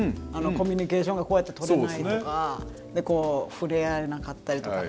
コミュニケーションがこうやって取れないとかこう触れ合えなかったりとか。